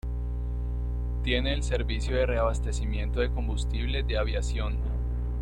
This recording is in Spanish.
Tiene el servicio de reabastecimiento de combustible de aviación.